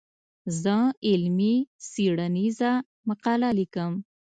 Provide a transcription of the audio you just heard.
زه علمي څېړنيزه مقاله ليکم.